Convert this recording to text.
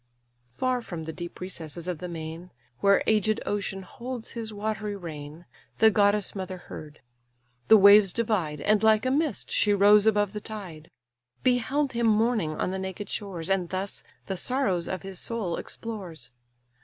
Far from the deep recesses of the main, Where aged Ocean holds his watery reign, The goddess mother heard. The waves divide; And like a mist she rose above the tide; Beheld him mourning on the naked shores, And thus the sorrows of his soul explores.